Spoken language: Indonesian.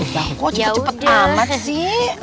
kok cepet cepet amat sih